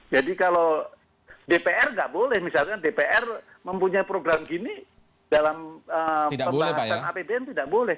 jadi kalau dpr nggak boleh misalkan dpr mempunyai program gini dalam pembahasan apbn tidak boleh